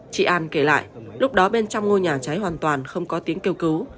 chị an kể lại lúc đó bên trong ngôi nhà cháy hoàn toàn không có tiếng kêu cứu